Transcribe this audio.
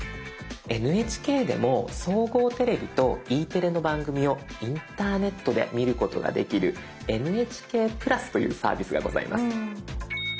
ＮＨＫでも総合テレビとＥテレの番組をインターネットで見ることができる「ＮＨＫプラス」というサービスがございます。